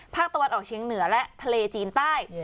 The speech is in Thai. ภาคตะวันออกเชียงเหนือและทะเลจีนใต้